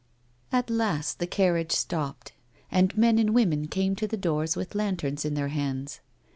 At last the carriage stopped, and men and women came to the doors with lanterns in their hands.